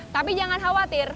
tapi jangan khawatir